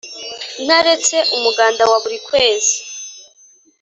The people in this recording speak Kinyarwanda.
ntaretse umuganda wa buri kwezi